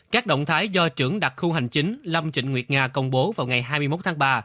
các động thái do trưởng đặc khu hành chính lâm trịnh nguyệt nga công bố vào ngày hai mươi một tháng ba